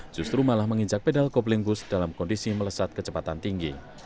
justru malah menginjak pedal kobling bus dalam kondisi melesat kecepatan tinggi